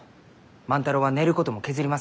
万太郎は寝ることも削りますきね。